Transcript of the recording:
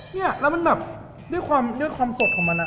เรามันแบบด้วยความสดของมัน